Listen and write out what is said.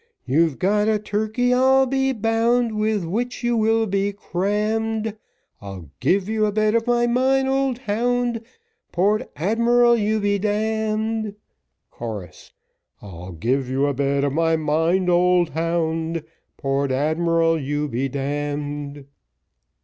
You've got a turkey I'll be bound, With which you will be crammed, I'll give you a bit of my mind, old hound, Port Admiral, you be d d. Chorus. I'll give you a bit of my mind, old hound, Port Admiral, you be d d.